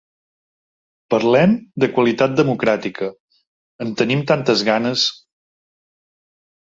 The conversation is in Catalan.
Parlem de qualitat democràtica, en tenim tantes ganes.